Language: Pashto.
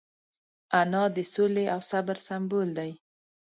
انا د سولې او صبر سمبول ده